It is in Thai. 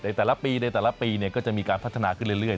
ในแต่ละปีเนี่ยก็จะมีการพัฒนาขึ้นเรื่อย